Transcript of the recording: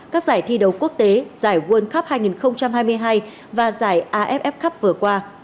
các giải thi đấu quốc tế giải world cup hai nghìn hai mươi hai và giải aff cup vừa qua